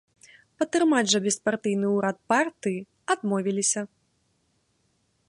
Падтрымаць жа беспартыйны ўрад партыі адмовіліся.